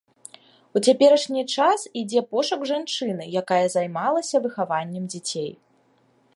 У цяперашні час ідзе пошук жанчыны, якая займалася выхаваннем дзяцей.